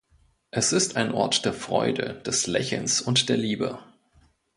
Es ist ein Ort der Freude, des Lächelns und der Liebe.